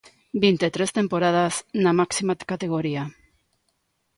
Vinte e tres temporadas na máxima categoría.